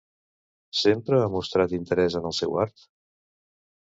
Sempre ha mostrat interès en el seu art?